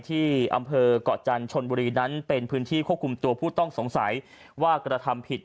ที่อำเภอกเกาะจันทบุรีนั้นเป็นพื้นที่ควบคุมตัวผู้ต้องสงสัยว่ากระทำผิด